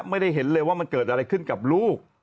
ไม่ได้เห็นเลยว่ามันเกิดอะไรขึ้นกับลูก